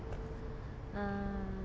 うん。